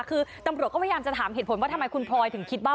คือตำรวจก็พยายามจะถามเหตุผลว่าทำไมคุณพลอยถึงคิดว่า